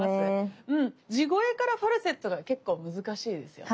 地声からファルセットが結構難しいですよね。